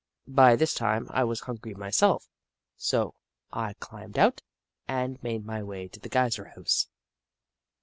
By this time I was hungry myself, so I climbed out and made my way to the Geyser House.